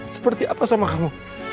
seperti apa sama kamu